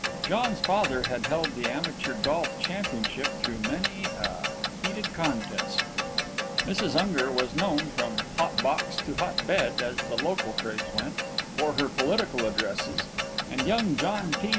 John's father had held the amateur golf championship through many a heated contest; Mrs. Unger was known "from hot box to hot bed," as the local phrase went, for her political addresses; and young John T.